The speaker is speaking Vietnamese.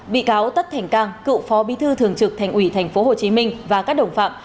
bị cáo tất thành cang cựu phó bí thư thường trực thành ủy tp hcm và các đồng phạm